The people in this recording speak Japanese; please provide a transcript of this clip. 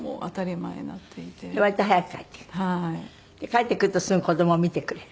帰ってくるとすぐ子どもを見てくれる？